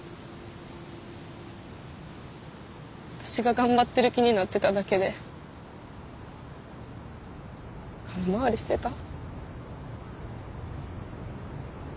私が頑張ってる気になってただけで空回りしてた。